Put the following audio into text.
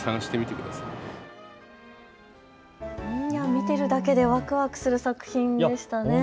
見てるだけでわくわくする作品でしたね。